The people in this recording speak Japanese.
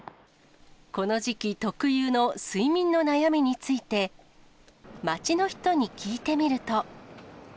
この時期特有の睡眠の悩みについて、街の人に聞いてみると。